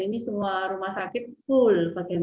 ini semua rumah sakit pun kita kirim